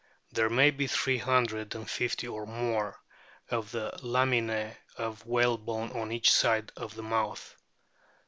There may be three hundred and fifty or more of the laminae of whalebone on each side of the mouth.